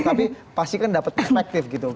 tapi pastikan dapat perspektif gitu